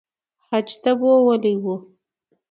حج ته بوولي وو